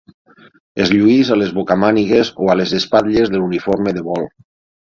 Es llueix a les bocamànigues o a les espatlles de l'uniforme de vol.